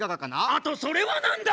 あとそれは何だ⁉